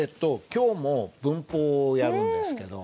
今日も文法をやるんですけど。